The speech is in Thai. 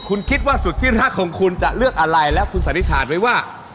คุณคิดว่าสุดที่รักของคุณจะเลือกอะไรแล้วคุณสันนิษฐานไว้ว่า